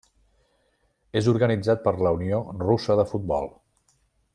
És organitzat per la Unió Russa de Futbol.